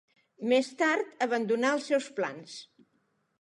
Més tard abandonà els seus plans.